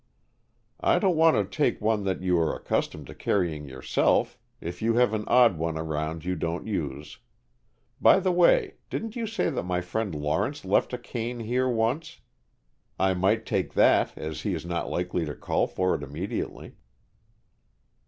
"I don't want to take one that you are accustomed to carrying yourself, if you have an odd one around you don't use. By the way, didn't you say that my friend Lawrence left a cane here once? I might take that, as he is not likely to call for it immediately."